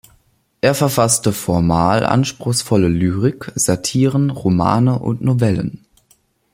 Er verfasste formal anspruchsvolle Lyrik, Satiren, Romane und Novellen.